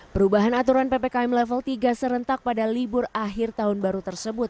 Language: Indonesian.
perubahan aturan ppkm level tiga serentak pada libur akhir tahun baru tersebut